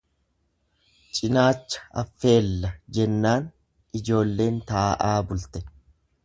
Cinaacha affeella jennaan ijoolleen taa'aa bulte.